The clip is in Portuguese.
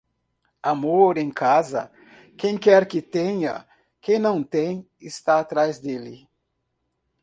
Amor em casa, quem quer que tenha; quem não tem, está atrás dele.